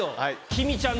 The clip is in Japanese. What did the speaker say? きみちゃん！